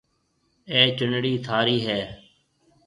اَي چونڙِي ٿارِي هيَ۔